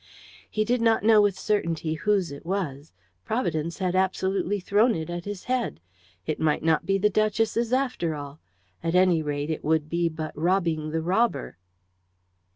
He did not know with certainty whose it was. Providence had absolutely thrown it at his head. It might not be the Duchess's, after all. At any rate, it would be but robbing the robber.